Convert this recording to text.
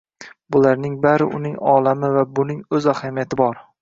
Bularning bari uning olami va buning o‘z ahamiyati bor.